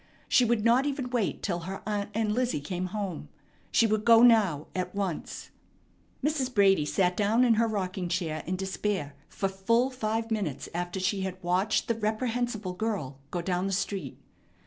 She would not even wait till her aunt and Lizzie came home. She would go now, at once. Mrs. Brady sat down in her rocking chair in despair for full five minutes after she had watched the reprehensible girl go down the street.